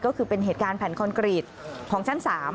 ก็คือเป็นเหตุการณ์แผ่นคอนกรีตของชั้น๓